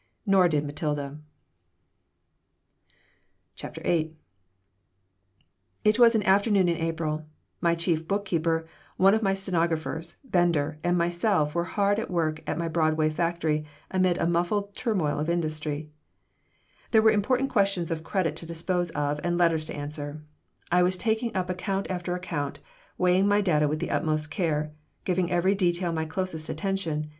Nor did Matilda CHAPTER VIII IT was an afternoon in April. My chief bookkeeper, one of my stenographers, Bender, and myself were hard at work at my Broadway factory amid a muffled turmoil of industry. There were important questions of credit to dispose of and letters to answer. I was taking up account after account, weighing my data with the utmost care, giving every detail my closest attention.